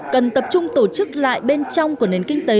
cần tập trung tổ chức lại bên trong của nền kinh tế